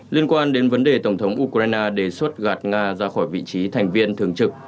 liên quan đến vấn đề tổng thống ukraine đề xuất gạt nga ra khỏi vị trí thành viên thường trực